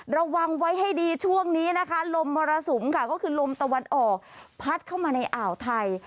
ระวังไว้ให้ดีช่วงนี้นะคะลมมรสุมค่ะก็คือลมตะวันออกพัดเข้ามาในอ่าวไทย